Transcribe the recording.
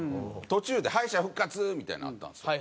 途中で敗者復活みたいなのあったんですよ。